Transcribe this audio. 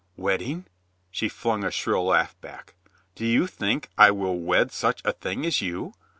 "Wedding?" She flung a shrill laugh back. "Do you think I will wed such a thing as you